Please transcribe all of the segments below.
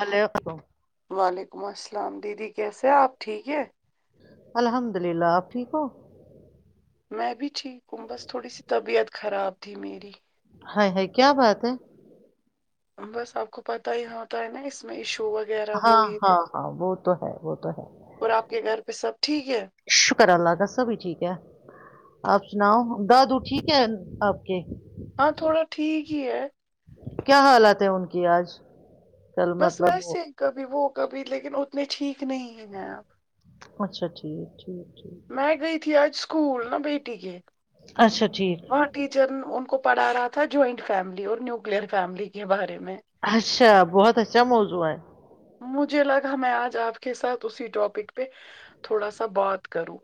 Hello علیکم۔ وعلیکم السلام دیدی کیسے آپ ٹھیک ہے الحمد للہ آپ ٹھیک ہو میں بھی ٹھیک ہوں بس تھوڑی سی طبیعت خراب تھی میری ہائے ہائے کیا بات ہے بس آپ کو پتہ ہی ہوتا ہے نا اس میں ایشو وغیرہ ہو ہاں یہ تو ہاں ہاں وہ تو ہے وہ تو ہے پ سب ٹھیک ہے شکر الاگا سبھی ٹھیک ہے آپ سناؤ دادو ٹھیک ہے آپ کے ہاں تھوڑا ٹھیک جی ہے کیا حالت ہے ان کی آج کل بس مطلب وہ ویسے ہی کبھی وہ کبھی لیکن اتنے ٹھیک کتنے ہے گ آپ یک میں گئی تھی آج اسکول نا بیٹی کے اچھا ٹھیک وہاں ٹیچر ان کو پڑا رہا تھا جوائنٹ فیملی اور نیوکلئر فیملی کے بارے میں اچھا بہت اچھا موضوع ہے مجھے لگا میں آج آپ کے ساتھ اسی ٹاپک پہ تھوڑا سا بات کروں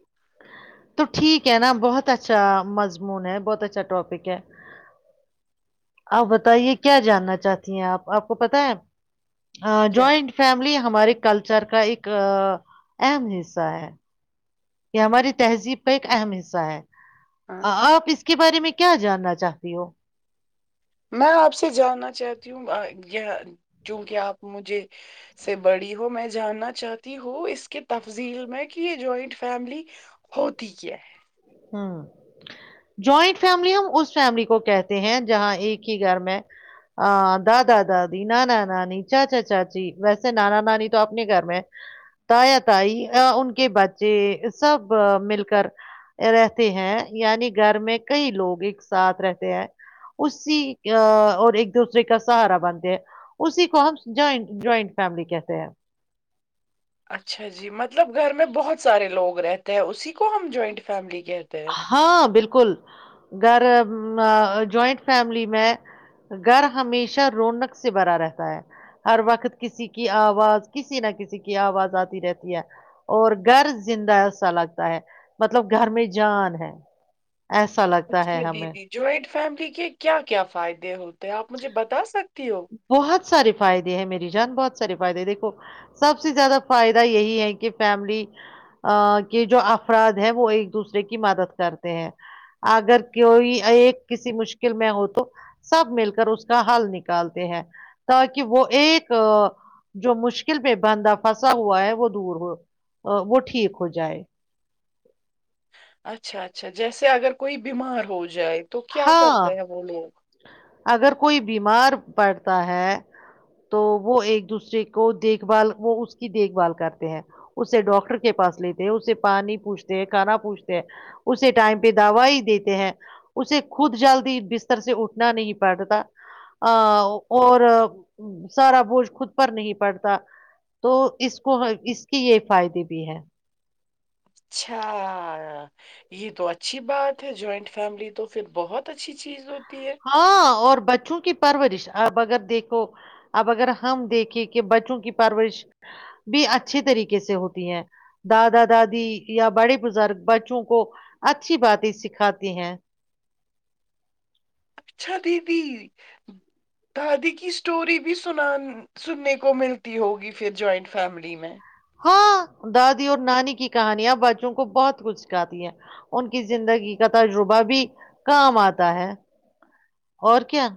تو ٹھیک ہے نا بہت اچھا مضمون ہے بہت اچھا ٹاپک ہے آپ بتائیے کیا جاننا چاہتی ہیں آپ آپ کو پت ہے ا کیا جووائنٹ فیملی ہمارے کلچر کا ایک اہم حصہ ہے یہ ہماری تہذیب کا ایک اہم حصہ ہے ہاں آپ اس کے بارے میں کیا جاننا چاہتی ہو میں آپ سے جاننا چاہتی ہوں یہ چونکہ آپ مجھے سے بڑی ہو میں جاننا چاہتی ہوں اس کے تفضیل میں کہ یہ جوائنٹ فیملی ہوتی کیا ہے ہ جوائنٹ فیملی ہم اس فیملی کو کہتے ہیں جہاں ایک ہی گھر میں دادا دادی نانا نانی چاچا چاچی ویسے نانا نانی تو اپنے گھر میں تایا تائی ان کے بچے سب مل کر رہتے ہیں یعنی گھر میں کئی لوگ ایک ساتھ رہتے ہیں اسی اور ایک دوسرے کا سہارا بنتے ہیں اسی کو ہم جوائنٹ جوائنٹ فیملی کہتے ہیں اچھا جی مطلب گھر میں بہت سارے لوگ رہتے ہیں اسی کو ہم جوائنٹ فیملی کہتے ہیں ہاں بالکل گھر جوائنٹ فیملی میں گھر ہمیشہ رونق سے بھرا رہتا ہے ہر وقت کسی کی آواز کسی نہ کسی کی آواز آتی رہتی ہے اور گھر زندہ سا لگتا ہے مطلب گھر میں جان ہے ایسا لگتا ہے اچھا ہمیں دیدی جوائنٹ فیملی کے کیا کیا فائدے ہوتے ہیں آپ مجھے بتا سکتے بہت سارے فائدے ہیں میری جان بہت سارے فائدے دیکھو سب سے زیادہ فائدہ یہی ہے کہ فیملی کے جو افراد ہیں وہ ایک دوسرے کی مدد کرتے ہیں اگر کوئی ایک کسی مشکل میں ہو تو سب مل کر اس کا حل نکل نکالتے ہیں تاکہ وہ ایک جو مشکل پہ بندا پھنسا ہوا ہے وہ دور ہو وہ ٹھیک ہو جائے اچھا اچھا جیسے اگر کوئی بیمار ہو جائے تو کیا ہاں کرتے ہیں وہ لے اگر کوئی بیمار پڑتا ہے تو وہ ایک دوسرے کو دیکھ بھال وہ اس کی دیکھ بھال کرتے ہیں اسے ڈاکٹر کے پاس لیتے ہیں اسے پانی پوھتے ہیں کھانا پوچھتے ہیں اسے ٹائم پہ دوائی دیتے ہیں اسے خود جلدی بستر سے اٹھنا نہیں پڑتا اور سارا بوجھ خود پر نہیں پڑتا تو اس کو اس کے یہ فائدے بھی ہے اچھا یہ تو اچھی بات ہے جوائنٹ فیملی تو پھر بہت اچھی چیز ہوتی ہے ہاں اور بچوں کی پرورورشا اب اگر دیکھو اب اگر ہم دیکھیں کہ بچوں کی پرورش بھی اچھھی طریقے سے ہوتی ہے دادا دادی یا بڑے بزرگ بچوں کو اچھی باتیں سکھاتے ہیں اچھا دیدی دادی کی اسٹوری بھی سنان سننے کو ملتی ہوگی پھر جوائنٹ فیملی میں ہاں دادی اور نانی کی کہانیاں بچوں کو بہت کچھ سکھاتی ہے ان کی زندگی کا تجربہ بھی کام آتا ہے اور کیا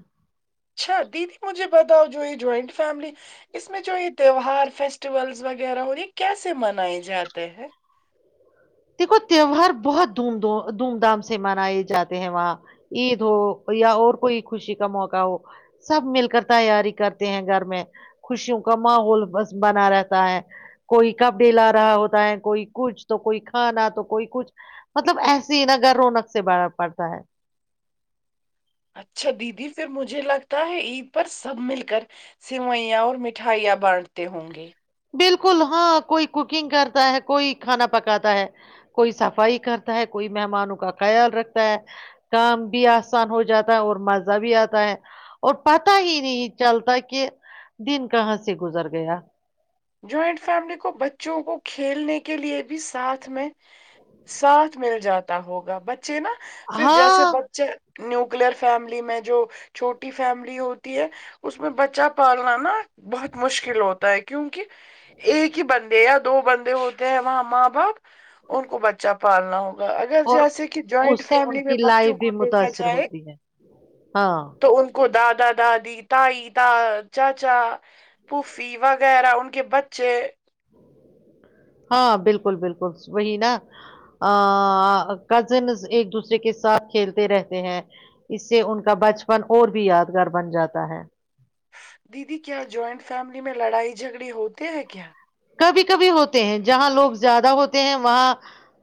اچھا دیدی مجھے بتاؤ جو یہ جوائنٹ فیملی اس میں جو یہ تیوار فیسٹیول وغیرہ ہو رہی کیسے منائے جاتے ہیں دیکھو تہوار بہت دھوم دھ دھوم دھام سے منائے جاتے ہیں وہاں عید ہو یا اور کوئی خوشی کا موقع ہو سب مل کر تیاری کرتے ہیں گھر میں خوشیوں کا ماحول بنا رہتا ہے کوئی کپڑے لا رہا ہوتا ہے کوئی کچھ تو کوئی ہاں نہ تو کوئی کچھ مطلب ایسے ہی ن گھر رونق سے پڑتا ہے اچھا دیدی پھر مجھے لگتا ہے عید پر سب مل کر سوئیاں اور مٹھائیاں بانٹتے ہوں گے بالکل ہاں کوئی کوکنگ کرتا ہے کوئی کھانا پکاتا ہے کوئی صفائی کرتا ہے کوئی مہمانوں کا خیال رکھتا ہے کام بھی آسان ہو جاتا ہے اور مزہ بھی آتا ہے اور پت ہی نہیں چلتا کہ دن کہاں سے گزر گیا جوائنٹ فیملی کو بچوں کو کھیلنے کے لیے بھی ساتھ میں سات مل جاتا ہوگا بچ بچے نا پھر جیسے ہاں بچے نیوکلیئر فیملی میں جو چھوٹی فیملی ہوتی ہے اس میں بچہ پالنا نا بہت مشکل ہوتا ہے کیونکہ ایک ہی بندے یا دو بندے ہوتے ہیں وہاں ماں باپ ان کو بچہ پالنا ہوگا اگر اور جیسے کہ جوائنٹ اس سے ان فیملی میں کی لائف بچوں بھی کو دیکھا متاثر جائے ہوتی ہے ہاں تو ان کو دادا ا دادی تائی تا چاچا پھوفی وغیرہ ان کہ بچے ہاں بالکل بالکل وہی نا کزنز ایک دوسرے کے ساتھ کھیلتے رہتے ہیں اس سے ان کا بچپن اور بھی یادگار بن جاتا ہے دیدی کیا جوائنٹ فیملی میں لڑائی جھگڑی ہوتے ہیں کیا کبھی کبھی ہوتے ہیں جہاں لوگ زیادہ ہوتے ہیں وہاں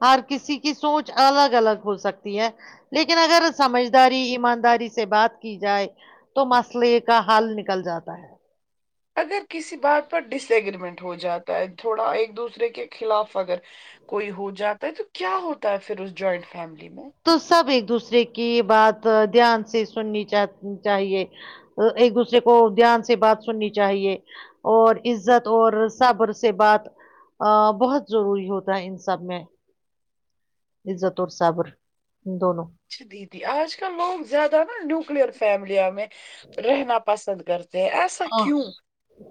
ہر کسی کی سوچ الگ الگ ہو سکتی ہے لیکن اگر سمجھداری ایمانداری سے بات کی جائے تو مسئلے کا حل نکل جاتا ہے اگر کسی بات پر ڈس اگریمنٹ ہو جاتا ہے تھوڑا ایک دوسرے کے خلاف اگر کوئی ہو جاتا ہے تو کیا ہوتا ہے پھر اس جوائنٹ فیملی میں تو سب ایک دوسرے کی بات دھیان سے سننی چاہیے ایک دوسرے کو دھیان سے بات سننی چاہیے اور عزت اور صبر سے بات بہت ضروری ہوتا ہے ان سب میں عزت اور صابر دونوں اچھا دیدی آج کل لوگ زیادہ نا نیوکلئر فیملیاں میں رہنا پسند کرتے ہیں ایسا ا کیوں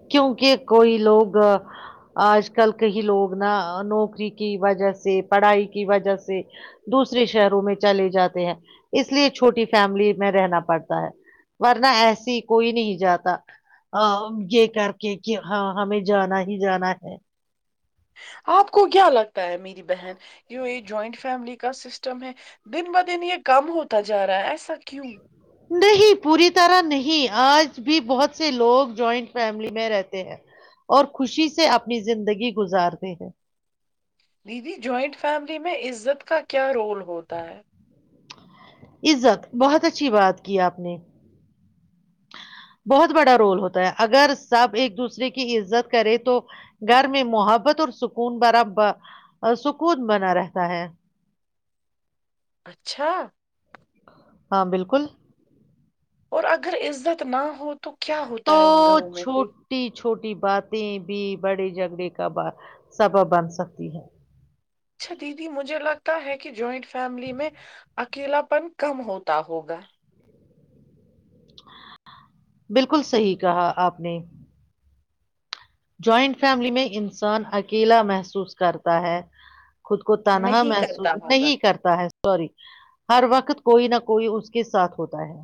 کیونکہ کوئی لوگ آج کل کہیں لوگ نا نوکری کی وجہ سے پڑھائی کی وجہ سے دوسرے شہروں میں چلے جاتے ہیں اس لیے چھوٹی فیملی میں رہنا پڑتا ہے ورنہ ایسی کوئی نہیں جاتا ا یہ کر کے کہ ہاں ہمیں جانا ہی جانا ہے آپ کو کیا لگتا ہے میری بہن ی یہ جوائنٹ فیملی کا سسٹم ہے دن ب دن یہ کم ہوتا جا رہا ہے ایسا کیوں نہیں پوری طرح نہیں آج بھی بہت سے لوگ جوائنٹ فیملی میں رہتے ہیں اور خوشی سے اپنی زندگی گزارتے ہیں دیدی جوائنٹ فیملی میں عزت کا کیا رول ہوتا ہے عزت بہت اچھی بات کی آپ نے بہت بڑا رول ہوتا ہے اگر سب ایک دوسرے کی عزت کرے تو گھر میں محبت اور سکون برا سکون بنا رہتا ہے اچھا ہاں بالکل اور اگر عزت نہ ہو تو کیا تو ہوتا ہے ان گھروں میں پھر چھوٹی چھوٹی باتیں بھی بڑے جھگڑے کا سبب بن سکتی ہے اچھا دیدی مجھے لگتا ہے کہ جوائنٹ فیملی میں اکیلاپن کم ہوتا ہوگا بالکل صحیح کہا آپ نے جوائنٹ فیملی میں انسان اکیلا محسوس کرتا ہے خود کو تنہا نہیں کرتا محسوس ہوگا نہیں کرتا ہے سوری ہر وقت کوئی نہ کوئی اس کے ساتھ ہوتا ہے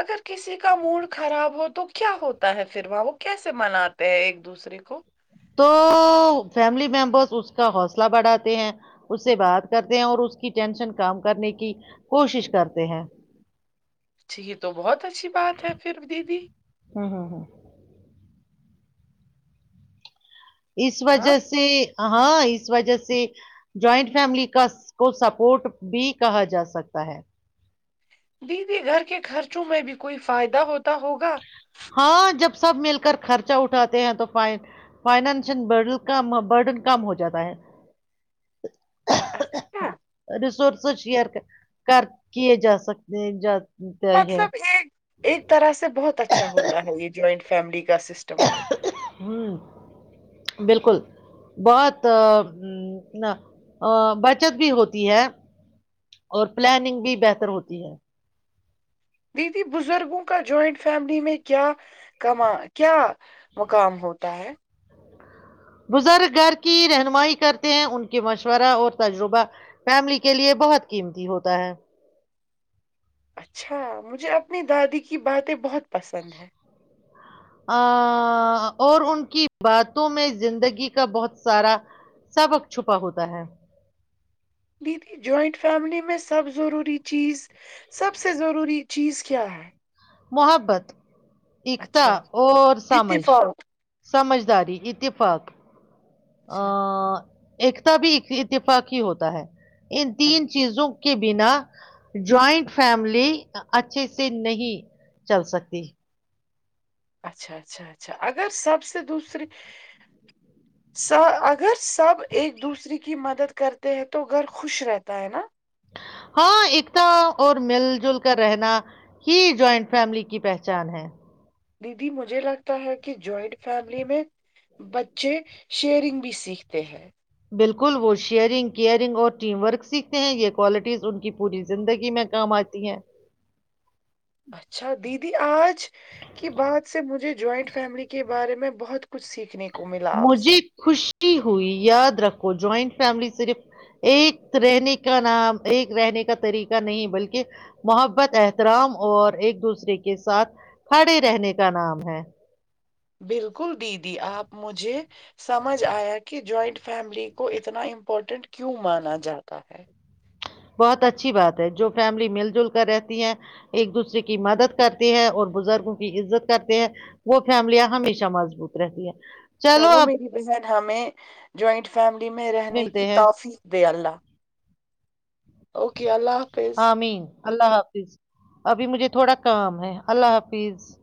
اگر کسی کا موڈ خراب ہو تو کیا ہوتا ہے پھر وہ وہ کیسے مناتے ہیں ایک دوسرے کو تو فیملی ممبرس اس کا حوصلہ بڑھاتے ہیں اس سے بات کرتے ہیں اور اس کی ٹینشن کام کرنے کی کوشش کرتے ہیں یہ تو بہت اچھی بات ہے پھر دیدی ہوں ہوں ہوں اس ہاں وجہ سے ہاں اس وجہ سے جوائنٹ فیملی کا کو سپورٹ بھی کہا جا سکتا ہے دیدی گھر کے خرچوں میں بھی کوئی فائدہ ہوتا ہوگا ہاں جب سب مل کر خرچہ اٹھاتے ہیں تو ف فائنینشل کم برڈن کم ہو جاتا ہے اچھا [inaudible] رسٹ شیئر کر کیے جا سکتے ہیں مطلب ایک ایک طرح سے بہت اچھا ہوتا ہے یہ جوائنٹ فیملی کا سسٹم ہ بالکل بہت ن بچت بھی ہوتی ہے اور پلاننگ بھی بہتر ہوتی ہے دیدی بزرگوں کا جوائنٹ فیملی میں کیا کما کیا مقام ہوتا ہے بزرگ گھر کی رہنمائی کرتے ہیں ان کے مشورہ اور تجربہ فیملی کے لیے بہت قیمتی ہوتا ہے اچھا مجھے اپنی دادی کی باتیں بہت پسند ہے ا اور ان کی باتوں میں زندگی کا بہت سارا سبق چھپا ہوتا ہے دیدی جوائنٹ فیملی میں سب ضروری چیز سب سے ضروری چیز کیا ہے محبت ایککتا اچھا اور سمجھ اتفاق سمجھداری اتفاق آ اچھا ایکتا بھی اتفاقی ہوتا ہے ان ہاں تین چیزوں کو کے بنا جوائنٹ فیملی اچھے سے نہیں چل سکتی اچھا اچھا اچھا اگر سب سے دوسریے اگر سب ایک دوسرے کی مدد کرتے ہیں تو گھر خوش رہتا ہے نا ہاں اتا اور مل جل کر رہنا ہی جوائنٹ فیملی کی پہچان ہے دیدی مجھے لگتا ہے کہ جوائنٹ فیملی میں بچے شیئرنگ بھی سیکھتے ہیں بالکل وہ شیئرنگ کیئرنگ اور ٹیم ورک سیکھتے ہیں یہ کوالٹیز ان کی پوری زندگی میں کام آتی ہے اچھا دید آج کی بات سے مجھے جوائنٹ فیملی کے بارے میں بہت کچھ سیکھنے کا مجھے خوش خوشی ہوئی یاد رکھو جوائنٹ فیملی صرف ایک کا ایک رہنے کا طریقہ نہیں بلکہ محبت احترام اور ایک دوسرے کے ساتھ کھڑے رہنے کا نام ہے بالکل دیدی آپ مجھے سمجھ آیا کہ جوائنٹ فیملی کو اتنا امپورٹنٹ کیوں مانا جاتا ہے بہت اچھی بات ہے جو فیملی مل جل کر رہتی ہے ایک دوسرے کی مدد کرتی ہے اور بزرگوں کی عزت کرتے ہیں وہ فیملیاں ہمیشہ مضبوط رہتی ہیں چلو میری بہن ہمیں جوائنٹ فیملی میں رہنے ملتے کی ہیں تعفیف دے اللہ اوکے اللہ حافظ آمین اللہ حافظ ابھی مجھے تھوڑا کام ہے اللہ حافظ